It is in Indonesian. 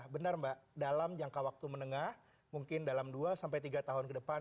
benar mbak dalam jangka waktu menengah mungkin dalam dua sampai tiga tahun ke depan